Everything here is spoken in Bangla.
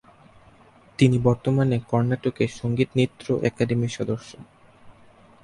তিনি বর্তমানে কর্ণাটকের সংগীত নৃত্য একাডেমির সদস্য।